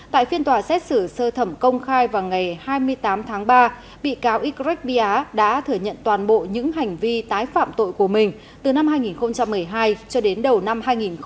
tại phiên tòa xét xử sơ thẩm công khai vào ngày hai mươi tám tháng ba bị cáo ycret bia đã thừa nhận toàn bộ những hành vi tái phạm tội của mình từ năm hai nghìn một mươi hai cho đến đầu năm hai nghìn một mươi tám